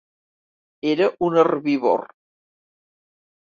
Era un herbívor.